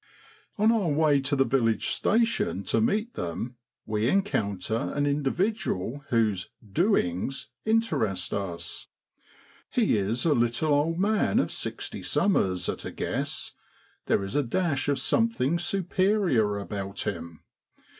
On our way to the village station to meet them we encounter an individual whose ' doings ' interest us. He is a little old man of sixty summers, at a guess ; there is a dash of something superior about him.